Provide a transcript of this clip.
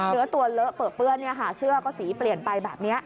เนื้อตัวเลอะเปลือเปื้อนเสื้อก็สีเปลี่ยนไปแบบนี้